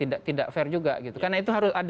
iya tidak fair juga karena itu harus